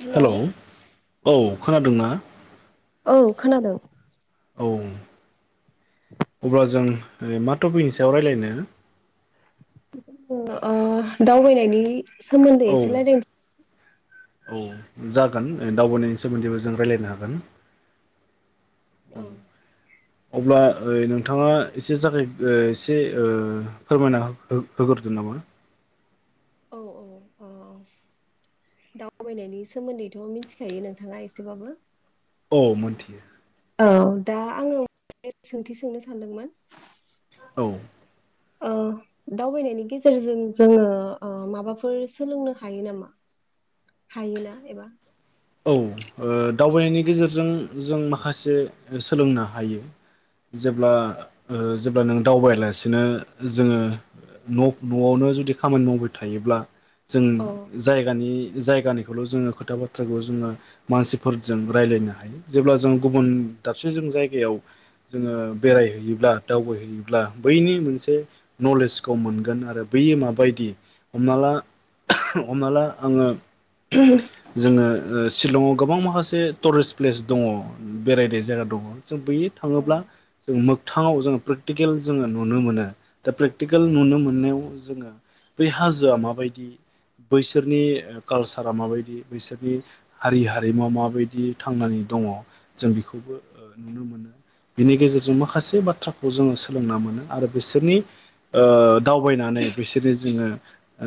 hello औ खोनादोंना औ खोनादों औ अब्ला जों मा थपिगनि ब सायाव रायलायनो ओ दावबायनायनि सोमोनदै औ इसे लायरायनो औ जागोन दावबायनि सोमोन्दैबो जों रायलायनो हागोन औ अब्ला ओ नोंथाङा एसे जागायदो एसे ओ फोरमायना हो होग्रोदो नामा औ औ औ दावबायनायनि सोमोन्दैथ' मिथिखायो नोंथाङा एसेबाबो औ मोनथियो औ दा आङो मोनसे सोंथि सोंनो सानदोंमोन औ औ दावबायनायनि गेजेरजों जोङो माबाफोर सोलोंनो हायो नामा हायोना एबा औ ओ दावबायनायनि गेजेरजों जों माखासे सोलोंनो हायो जेब्ला जेब्ला नों दावबायालासिनो जोङो न'आवनो जुदि खामानि मावबाय थायोब्ला जों औ जायगानि जायगानिखौल' जोङो खोथाबा बाथ्राखौ जोङो मानसिफोरजों रायज्लायनो हायो जेब्ला जों गुबुन दाबसे जों जायगायाव जोङो बेरायहैयोब्ला दावबायहैयोब्ला बैनि मोनसे नलेजखौ मोनगोन आरो बैयो माबायदि हमना ला हमना ला आङो औ जोङो ओ शिलंआव गोबां माखासे टुरिस्ट प्लेस दङ बेरायनाय जायगा दङ जों बैयै थाङोब्ला जों मोगथाङाव जोङो प्रेकटिकेल जोङो नुनो मोनो दा प्रेकटिकेल नुनो मोननायाव जोङो बै हाजोआ माबायदि बैसोरनि कालसारा माबायदि बिसोरनि हारि हारिमुव माबायदि थांनानै दङ जों बेखौबो नुनो मोनो बिनि गेजेरजों माखासे बाथ्राखौ जोङो सोलोंना मोनो आरो बिसोरनि ओ दावबायनानै बिसोरो जोङो ओ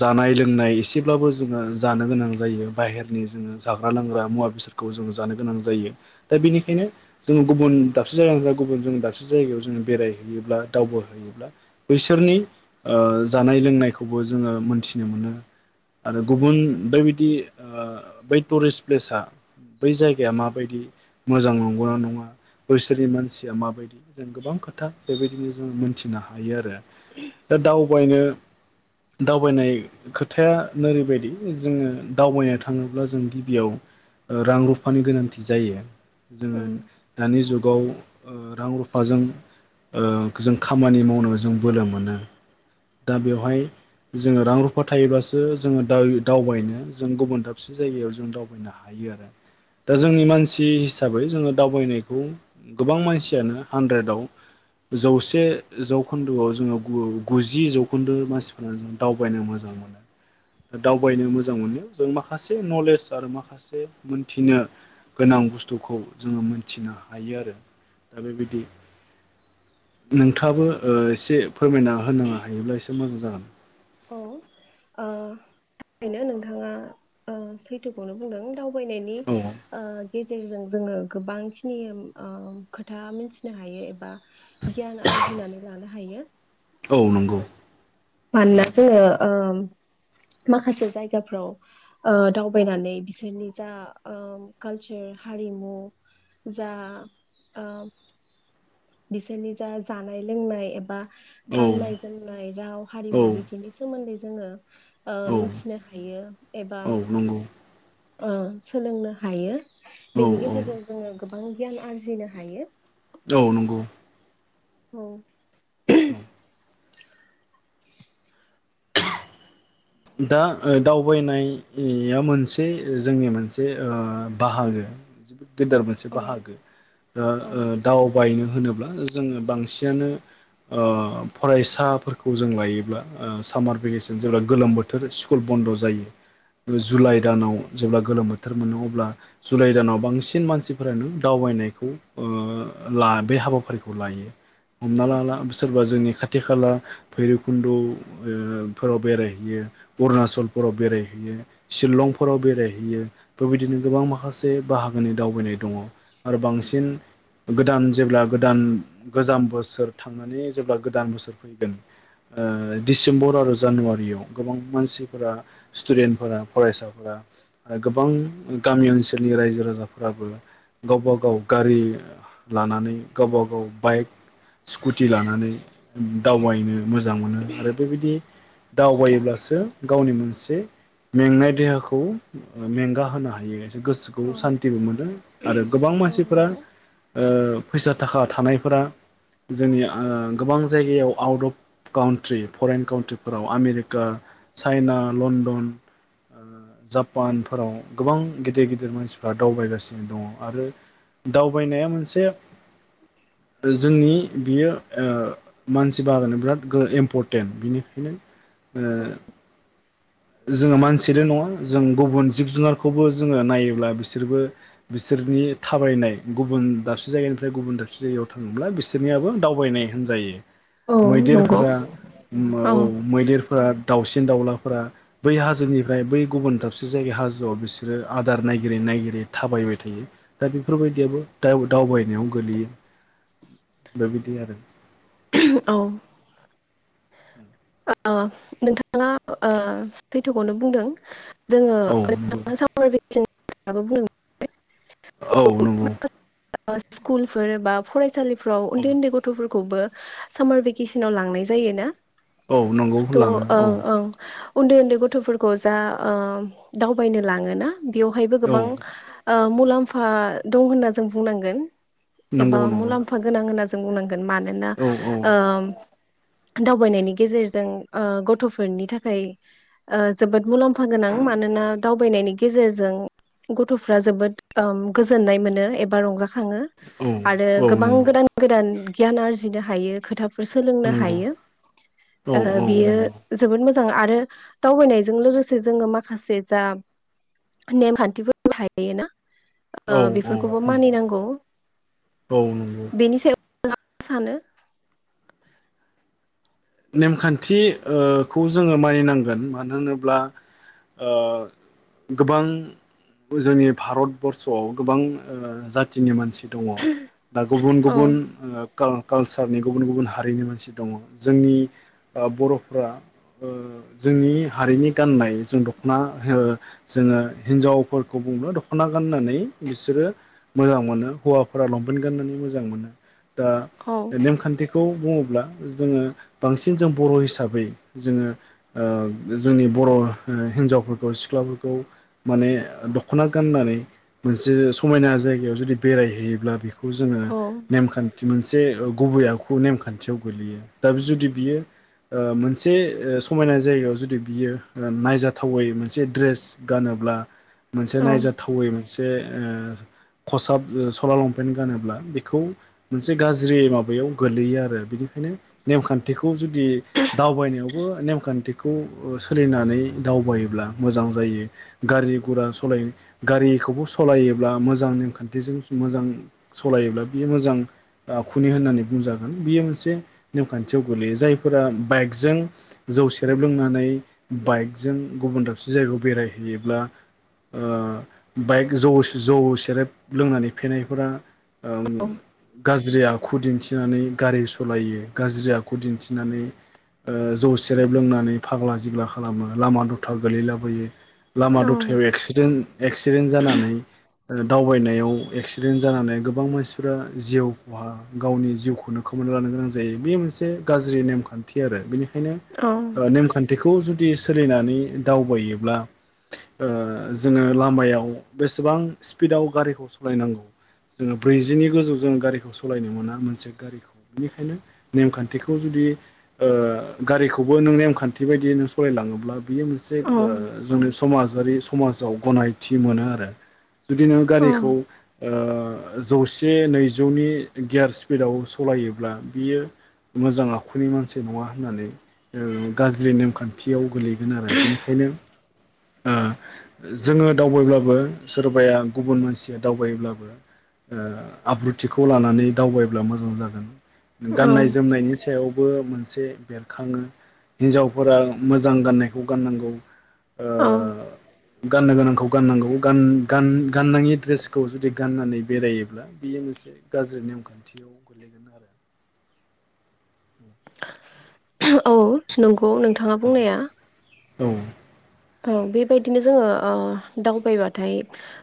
जानाय लोंनाय एसेब्लाबो जोङो जानो गोनां जायो बाहेरनि जोङो जाग्रा लोंग्रा मुवा बेसादखौ जो जानो गोनां जायो दा बेनिखायनो जोङो गुबुन दाबसे जायगानिफ्राय गुबुन दाबसे जायगायाव जों बेरायहैयोब्ला दावबाय हैयोब्ला बैसोरनि जानाय लोंनायखौबो जोङो मोनथिनो मोनो आरो गुबुन बेबाय दि बै टुरिस्ट प्लेस बै जायगाया माबायदि मोजां नंगौना नङा बैसोरनि मानसिया माबायदि जों गोबां खोथा बेबायदिनो जों मोनथिनो हायो आरो दा दावबायनो दावबायनाय खोथाया नो रैबायदि जोङो दावबायनो थाङोब्ला जों गिबियाव रां रुफानि गोनांथि जायो जोङो उम दानि जुगाव ओ रां रुफ फा जों जों खामानि मावनो जों बोलो मोनो दा बेवहाय जोङो रां रुफा थायोबासो जोङो दा दावबायनो जों गुबुन दाबसे जायगायाव जों दावबायनो हायो आरो दा जोंनि मानसि हिसाबै जोङो दावबायनायखौ गोबां मानसियानो हानद्रेदाव जौसे जौखोन्दोआव जोङो गुजि जौखोन्दो मानसिफोरानो जों दावबायनो मोजां मोनो दा दावबायनो मोजां मोननायाव जों माखासे नलेज आरो माखासे मोनथिनो गोनां बुस्थुखौ जोङो मोनथिनो हायो आरो दा बेबायदि नोंथाङाबो ओ एसे फोरमायना होनो हायोब्ला एसे मोजां जागोन औ ओ नोंथाङा ओ सैथोखौनो बुंदों दाव बायनायनि औ ओ गेजेरजों जोङो गोबां खिनि ओ खोथा मिथिनो हायो एबा गियान आरजिनानै लानो हायो औ नंगौ औ मानोना जोङो ओ -ओं माखासे जायगाफ्राव ओ दावबायनानै बिसोरनि जा ओ कालसार हारिमु जा ओ बिसोरनि जा जानाय लोंनाय एबा गाननाय जोमनाय राव औ हारिमु बे सोमोन्दै जोङो ओ औ मिथिनो हायो एबा औ नंगौ ओ सोलोंनो हायो औ बेनि औ गेजेरजों जोङो गो बां गियान आरजिनो हायो औ नंगौ औ उम दा दावबायनाया मोनसे जोंनि मोनसे ओ बाहागो गेदेर मोनसे औ बाहागो दा ओ औ दावबायनो होनोब ब्ला जोंङो बांसिनानो ओ फरायसाफोरखौ जों लायोब्ला ओ सामार भेकेसन जेब्ला गोलोम बो थोर स्कुल बन्द' जायो जुलाइ दानाव जेब्ला गोलोम बोथो थोर मोनो अब्ला जुलाइ दानाव बांसिन मानसिफोरानो दावबायनायखौ ओ ला बे हाबाफारिखौ लायो हमना लाला सोरबा जोंनि खाथि थि खाला भैरबखुन्द' फोराव बेरायहैयो अरुणाचलफोराव बेरायहैयो शिलंफोराव बेरायहैयो बेबायदिनो गोबां माखासे बाहागोनि दावबायनाय दङ आरो बांसिन गोदान जेब्ला गोदान गोजाम बोसोर थांनानै जेब्ला गोदान बोसोर फैगोन ओ डिसेम्बर आरो जानुवारियाव गोबां मानसिफोरा स्टुडेन्टफोरा फरायसाफोरा ओ गोबां गामि ओनसोलनि रायजो राजाफोराबो गावबा गाव गारि लानानै गावबा गाव बाइक स्कुटि लानानै दावबायनो मोजां मोनो आरो बेबायदि दावबाय गावनि मोनसे मेंनाय देहाखौ मेंगा होनो हायो गोसोखौ औ सान्थिबो मोनो आरो गोबां मानसिफोरा नंगौ फैसा थाखा थानायफोरा जोंनि आ गोबां जायगायाव आउट अफ काउन्ट्रि फरेन काउन्ट्रिफोराव आमेरि का चाइना लणडन जापानफोराव गोबां गिदिर गिदिर मानसिफोरा दावबायगासिनो दङ आरो दावबायनाया मोनसे जोंनि बियो ओ मानसि बागोनानो बिराद इम्परटेन्ट बिनिखायनो ओ जोङो मानसिल' नङा जों गुबुन जिब जुनारखौबो जोङो नायोब्ला बिसोरबो बिसोरनि थाबायनाय गुबुन दाबसे जायगानिफ्राय गुबुन दाबसे जायगायाव थाङोब्ला बिसोरनियाबो दावबायनाय होनजायो औ नंगौ मैदेरफोरा औ मैदेरफोरा दाउसिन सिन दावलाफोरा बै हाजोनिफ्राय बै गुबुन दाबसे जायगा हाजोआव बिसोरो आदार नायगिरै नायगिरै थाबायबाय थायो दा बेफोरबायदियाबो दाव-दावबायनायाव गोलैयो बेबायदि आरो औ ओ नोंथाङा ओ सैथोखौनो बुंदों औ नंगौ जोङोर स [unintelligible] [unintelligible] औ नंगौ स्कुलफोर बा फरायसालिफोर फोराव औ उन्दै उन्दै गथ'फोर खौबो सामार भेकेसनाव लांनाय जायो ना औ नंगौ होलाङो औ उन्दै उन्दै गथ'फोरखौ जा ओ दावबायनो लाङो ना बेवहायबो औ गोबां ओ मुलाम्फा दं होनना जों बुंनांगोन एबा नंगौ नंगौ मुलाम्फा गोनां होना ज जों बुंनांगन मानोना औ औ ओ दावबाय नायनि गेजेरजों ओ गथ'फोरनि थाखाय ओ जोबोद मुलाम्फा गोनां मानोना दावबायनायनि गेजेरजों गथ'फ्रा जोबोद गोजोननाय मोनो एबा रंजाख खाङो औ आरो गोबां नंगौ गोदान गोदान गियान आरजिनो हायो खोथा फोर सोलोंनो नंगौ हायो औ ओ औ बियो नंगौ जोबोद मोजां आरो दावबायनायजों लोगोसे जोङो माखासे जा नेमखान्थिफोर थायो ना औ ओ औ बेफोरखौबो नंगौ मानिनांगौ औ नंगौ बेनि सायाव आं सानो नेमखान्थि ओ खौ जोङो मानिनांगोन मानो होनोब्ला ओ गोबां जोंनि भारतबर्सआव गोबां ओ जाथिनि मानसि दङ दा गुबुन औ गुबुन ओ काल कालसारनि गुबुन गुबुन हारिनि मानसि दङ जोंनि ओ बर'फ्रा ओ जोंनि हारिनि गाननाय जों दख'ना जोङो हिनजावफोरखौ बुङो दख'ना गाननानै बिसोरो मोजां मोनो हौवाफोरा लंपेन्ट गाननानै मोजां मोनो दा औ नेमखान्थि खौ बुङोब्ला जोङो बांसिन जों बर' हिसाबै जोङो ओ जोंनि बर' हिनजावफोरखौ सिख्लाफोरखौ माने दख'ना गाननानै मोनसे समायना जायगायाव जुदि बेरायहैयोब्ला बे खौ जोङो औ नेमखा न्थि मोनसे गुबै आखु नेमखान्थियाव गोलैयो दा जुदि बियो ओ मोनसे ओ समायना जायगायाव जुदि बियो ओ नायजाथावै मोनसे ड्रेस गानोब्ला मोनसे औ नायजाथावै मोन से ओ खसाब सला लंपेन्ट गानोब्ला बेखौ मोनसे गाज्रि माबायाव गोलैयो आरो बिनिखायनो नेमखान्थिखौ जुदि दावबायनायावबो नेमखान्थिखौ सोलिनानै दावबायोब्ला मोजां जायो गारि गुरा सलायो गारिखौबो सलायोब्ला मोजां नेमखान्थिजों मोजां सलायोब्ला बियो मोजां आखुनि होननानै बुंजागोन बियो मोनसे नेमखान्थियाव गोलैयो जायफोरा बाइकजों जौ सेरेब लोंनानै बाइकजों गुबुन दाबसे जायगायाव बेरायहैयोब्ला ओ बाइक जौ जौ सेरेब लोंनानै फेनायफोरा ओं गा ज्रि आखु दिन्थिनानै गारि सलायो गाज्रि आखु दिन्थिनानै ओ जौ सेरेब लोंनानै फाग्ला जिग्ला खालामो लामा दथा गोलैलाबोयो लामा औ दथायाव एक्सिडेन्ट एक्सिडेन्ट जानानै ओ दावबायनायाव एक्सिडेन्ट जानानै गोबां मानसिफोरा जिउ खहा गावनि जिउखौनो खोमा लानो गोनां जायो बेयो मोनसे गाज्रि नेमखान्थि आरो बेनि खायनो औ ओ नेमखान्थिखौ जु दि सोलिनानै दावबायोब्ला ओ जोङो लामायाव बेसेबां स्पिडआव गारिखौ सलायनांगौ जोङो ब्रैजिनि गोजौ जों गारिखौ सलायनो मोना मोनसे गारिखौ बेनिखायनो नेमखान्थिखौ जुदि ओ गारिखौबो नों नेमखान्थि बायदियै नो सलाय लाङोब्ला बियो मोनसे औ ओ जोंनि समाज जारि समाजाव गनायथि मोनो आरो जुदि नों गारिखौ ओ जौसे नैजौनि गियार स्पिडाव सलायोब्ला बियो मोजां आखुनि मानसि नङा होननानै ओ गाज्रि नेमखान्थियाव गोलैगोन आरो बिनिखायनो ओ जोङो दावबायब्लाबो सोरबाया गुबुन मानसिया दावबायोब्लाबो ओ आब्रुथिखौ लानानै दावबायब्ला मोजां जागोन औ गाननाय जोमनायनि सायाव बो मोनसे बेरखाङो हिनजावफोरा मोजां गाननायखौ गाननांगौ औ गाननो गोनांखौ गाननांगौ गान गान गाननाङि दड्रेसखौ जुदि गाननानै बेरायोब्ला बेयो मोनसे गाज्रि नेमखान्थियाव गोग्लैगोन आरो [inaudible] औ नोंगौ नोंथाङा बुंनाया अ बेबायदिनो जोङो ओ दावबायबाथाय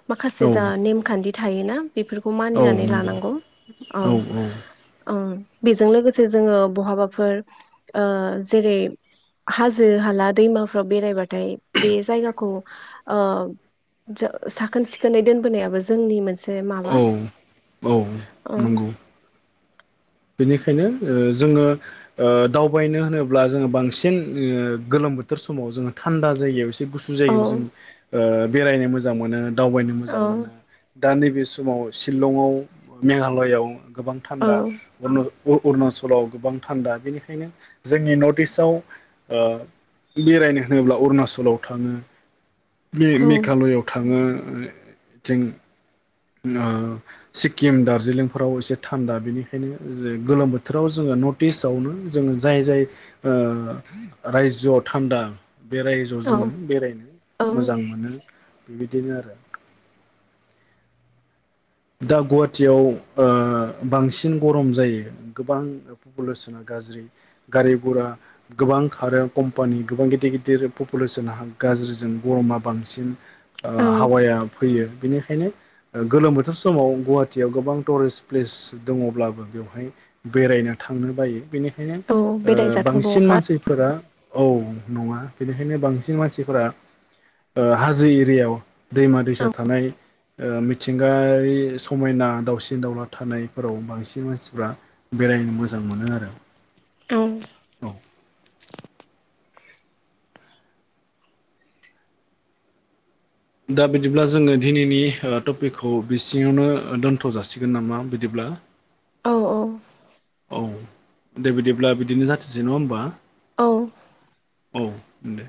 माखासे औ दा नेमखान्थि थायोना बेफोरखौ औ मानिनानै नंगौ लानांगौ औ ओम बेजों लोगोसे जोङो बहाबाफोर ओ जेरै हाजो हाला दैमाफ्राव बेरायबाथाय बे जायगाखौ ओ साखोन सिखोनै दोनबोनायाबो जोंनि मोन औ औ ओ नंगौ बेनिखायनो ओ जोङो ओ दावबायनो होनोब्ला जोङो बांसिन उम गोलोम बोथोर समाव जोङो थान्दा जायगायाव एसे गुसु औ जायगायाव जों ओ बेरायनो मोजां मोनो दावबायनो औ मोजां मोनो दा नैबे समाव शिलंआव मेघालयआव गोबां औ थान्दा ओ उ अरुणाचलाव गोबां थान्दा बेनिखायनो जोंनि नर्थ इस्टआव ओ बेरायनो होनोब्ला अरुणाचलाव थाङो मे औ मेघालयआव थाङो थों नो सिक्किम दार्जिलिंफोराव एसे थान्दा बेनिखायनो जे गोलोम बोथोराव जोङो नर्थ इस्टआवनो जोङो जाय जाय रायजोआव थान्दा बेराय ज औ जोङो बेरायनो औ मोजां मोनो बिदिनो आरो दा गुवाहाटियाव बांसिन गरम जायो गोबां पपुलेसना गाज्रि गारि घुरा गोबां खारो कम्पानि गोबां गिदिर गिदिर पपुलेसना गाज्रिजों गरमा बांसिन ओ औ हावाया फैयो बिनिखायनो गोलोम बोथोर बोथोर समाव गुवाहाटियाव गोबां टुरिस्ट प्लेस दङब्लाबो बेवहाय बेरायनो थांनो बायो बेनिखायनो औ बेखायनो बेरायजाथाव बांसिन नङा मानसिफोरा औ नङा बेनिखायनो बांसिन मानसिफोरा हाजो एरियायाव दैमा दैसा थानाय मिथिंगा बे समायना दावउसिन दावउला थानायफोराव बांसिन मानसिफ्रा बेरायनो मोजां मोनो आरो औ [inaudible] दा बिदिब्ला जोङो दिनैनि टपिकखौ बिसिङावनो दोनथ' जासिगोन नामा बिदिब्ला औ औ औ दे बिदिब्ला बिदिनो जाथोंसै नङा होमबा औ औ दे